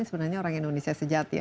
sebenarnya orang indonesia sejati ya